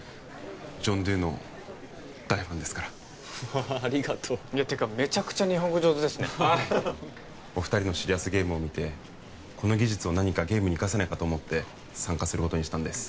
ジョン・ドゥの大ファンですからありがとうっていうかめちゃくちゃ日本語上手ですねお二人のシリアスゲームを見てこの技術を何かゲームに生かせないかと思って参加することにしたんです